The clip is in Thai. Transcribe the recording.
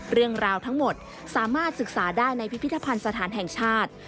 เรื่องราวทั้งหมดสามารถศึกษาได้ในพิพิธภัณฑ์สถานแห่งชาติ